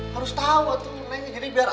harus tau jadi biar